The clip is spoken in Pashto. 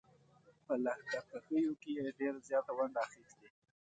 په لښکرکښیو کې یې ډېره زیاته ونډه اخیستې.